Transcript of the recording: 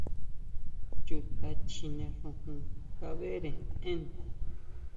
¿Chuta chjine xujun kabeʼre én?